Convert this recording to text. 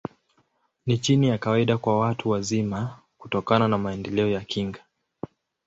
Ni chini ya kawaida kwa watu wazima, kutokana na maendeleo ya kinga.